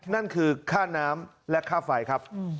นั่นคือค่าน้ำและค่าไฟครับ